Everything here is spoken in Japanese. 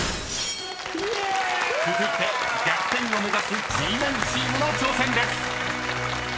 ［続いて逆転を目指すＧメンチームの挑戦です］